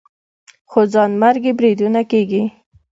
خو ځانمرګي بریدونه کېږي